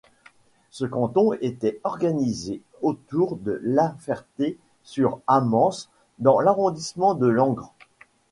Ce canton était organisé autour de Laferté-sur-Amance dans l'arrondissement de Langres.